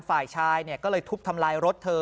ฝ่ายชายก็เลยทุบทำลายรถเธอ